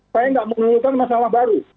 saya nggak mengeluhkan masalah baru